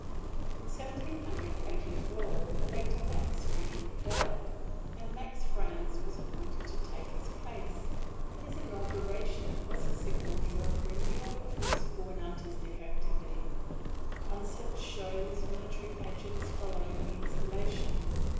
In Seventeen Hundred Eighty four, Elector Max Friedrich died, and Max Franz was appointed to take his place. His inauguration was the signal for a renewal of musical and artistic activity. Concerts, shows and military pageants followed the installation.